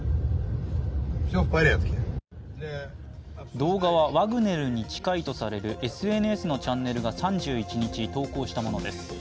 動画はワグネルに近いとされるＳＮＳのチャンネルが３１日、投稿したものです。